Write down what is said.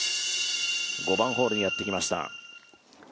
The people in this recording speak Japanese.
５番ホールにやってきました。